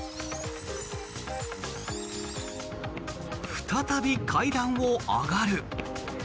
再び階段を上がる。